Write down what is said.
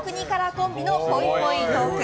コンビのぽいぽいトーク。